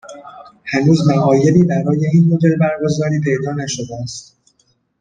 هنوز معایبی برای این مدل برگزاری پیدا نشده است